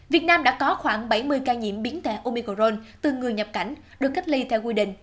việt nam đã có khoảng bảy mươi ca nhiễm biến thể omicrone từ người nhập cảnh được cách ly theo quy định